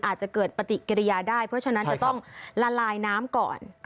อาจจะเกิดปฏิกิริยาได้เพราะฉะนั้นจะต้องละลายน้ำก่อน